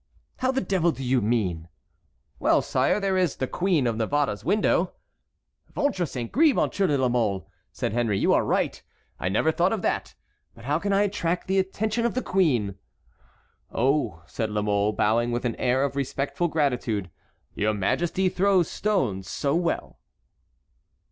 "How the devil do you mean?" "Well, sire, there is the Queen of Navarre's window." "Ventre saint gris, Monsieur de la Mole," said Henry, "you are right. I never thought of that! But how can I attract the attention of the queen?" "Oh," said La Mole, bowing with an air of respectful gratitude, "your majesty throws stones so well!"